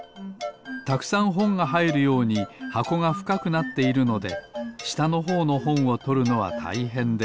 たくさんほんがはいるようにはこがふかくなっているのでしたのほうのほんをとるのはたいへんです。